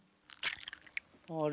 あれ？